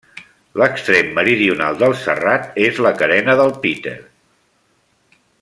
L'extrem meridional del serrat és la Carena del Peter.